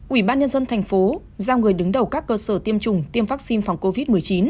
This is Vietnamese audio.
ủy ban nhân dân thành phố giao người đứng đầu các cơ sở tiêm chủng tiêm vaccine phòng covid một mươi chín